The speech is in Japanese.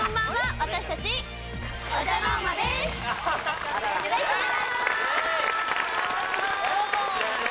私お願いします！